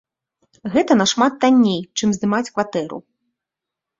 Гэта нашмат танней, чым здымаць кватэру.